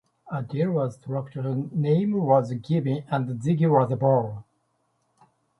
A deal was struck, a name was given and Ziggy was born.